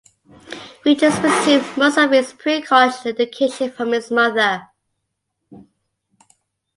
Richards received most of his pre-college education from his mother.